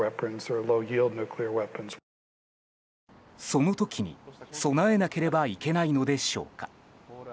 その時に備えなければいけないのでしょうか。